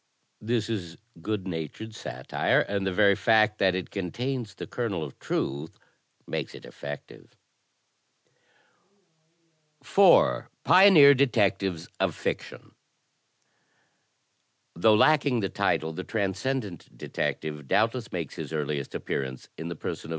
This is good natured satire, and the very fact that it con tains the kernel of truth makes it effective. ■/ ^1 /• I I / 76 THE TECHNIQUE OF THE MYSTERY STORY 4, Pioneer Detectives of Fiction Though lacking the title, the Transcendant Detective doubtless makes his earliest appearance in the person of M.